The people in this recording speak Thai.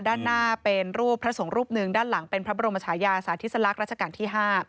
ด้านหน้าเป็นรูปพระสงฆ์รูปหนึ่งด้านหลังเป็นพระบรมชายาสาธิสลักษณ์ราชการที่๕